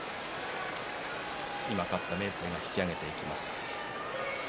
今勝った明生が引き揚げていきます。